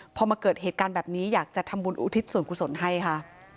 พอมาเกิดเหตุการณ์แบบนี้อยากจะทำบุญอุทิศส่วนกุศลให้ค่ะ